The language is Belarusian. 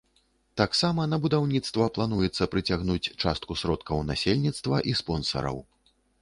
Таксама на будаўніцтва плануецца прыцягнуць частку сродкаў насельніцтва і спонсараў.